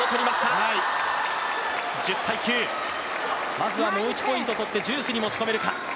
まずはもう１ポイント取って、ジュースに持ち込めるか。